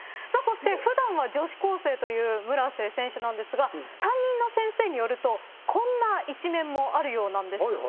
そして、普段は女子高生という村瀬選手なんですが担任の先生によるとこんな一面もあるようなんです。